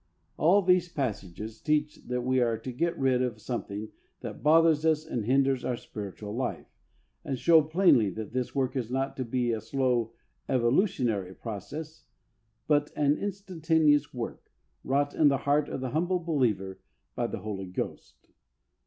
All these passages teach that we are to get rid of something that bothers us and hinders our spiritual DEATH OF "THE OLD MAN. 5 life and show plainly that this work is not to be a slow, evolutionary process, but an instantaneous work, wrought in the heart of the humble believer by the Holy Ghost.